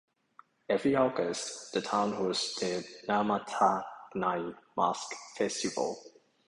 Every August the town hosts the Namatanai Mask Festival.